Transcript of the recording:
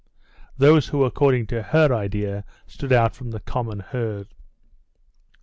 those who according to her idea stood out from the common herd.